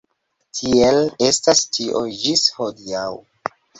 Tiel estas tio ĝis hodiaŭ.